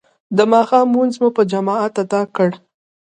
د ماښام لمونځ مو په جماعت ادا کړ.